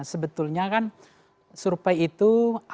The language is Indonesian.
sebetulnya kan survei itu